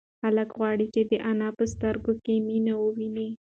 هلک غواړي چې د انا په سترگو کې مینه وویني.